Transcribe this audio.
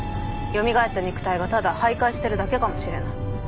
よみがえった肉体がただ徘徊してるだけかもしれない。